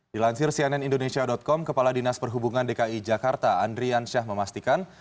dilansir cnn indonesia com kepala dinas perhubungan dki jakarta andrian syah memastikan